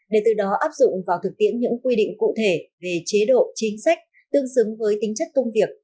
để từ đó áp dụng vào thực tiễn những quy định cụ thể về chế độ chính sách tương xứng với tính chất công việc